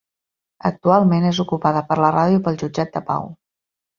Actualment és ocupada per la ràdio i pel Jutjat de Pau.